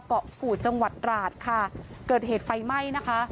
เกาะกูดจังหวัดตราดค่ะเกิดเหตุไฟไหม้นะคะ